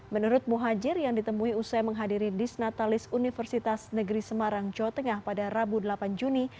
menurut muhajir yang ditemui usai menghadiri disnatalis universitas negeri semarang jawa tengah pada rabu delapan juni